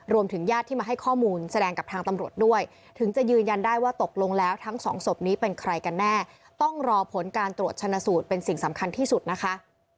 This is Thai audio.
ญาติที่มาให้ข้อมูลแสดงกับทางตำรวจด้วยถึงจะยืนยันได้ว่าตกลงแล้วทั้งสองศพนี้เป็นใครกันแน่ต้องรอผลการตรวจชนะสูตรเป็นสิ่งสำคัญที่สุดนะคะ